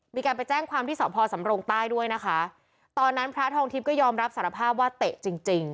มีการไปแจ้งความที่สอบพอสำรงใต้ด้วยนะคะตอนนั้นพระทองทิพย์ก็ยอมรับสารภาพว่าเตะจริงจริง